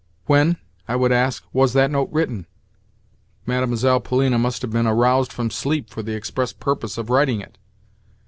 When, I would ask, was that note written? Mlle. Polina must have been aroused from sleep for the express purpose of writing it.